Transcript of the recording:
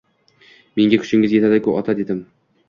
— Menga kuchingiz yetadi-ku, ota, — dedim.